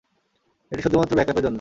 এটি শুধুমাত্র ব্যাকআপের জন্য।